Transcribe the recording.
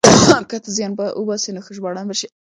که ته زيار وباسې نو ښه ژباړن به شې.